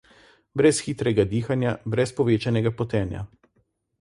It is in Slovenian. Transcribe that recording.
Brez hitrega dihanja, brez povečanega potenja.